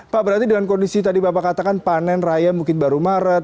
pak berarti dengan kondisi tadi bapak katakan panen raya mungkin baru maret